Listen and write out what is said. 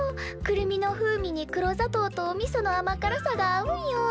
くるみの風味に黒砂糖とおみそのあまからさが合うんよ。